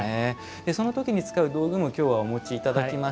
その時に使う道具も今日はお持ちいただきました。